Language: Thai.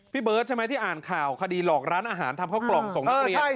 พี่เบิร์ตใช่ไหมที่อ่านข่าวคดีหลอกร้านอาหารทำเข้ากล่องส่งนักเรียน